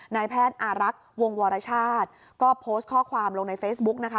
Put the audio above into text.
นายแพทย์อารักษ์วงวรชาติก็โพสต์ข้อความลงในเฟซบุ๊กนะคะ